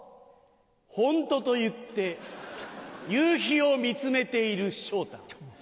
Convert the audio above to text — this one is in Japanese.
「ホント？」と言って夕日を見つめている昇太。